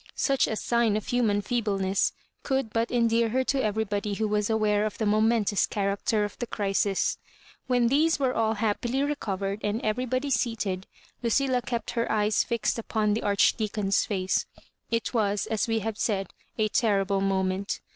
Such a sign of human feebleness could but en dear her to everybody who was aware of the momentous character of the crisia When these were all happily recovered and everybody seated, Lucilla kept her eyes fixed upon the Archdea oon^s face. It was, as we have said, a terrible moment.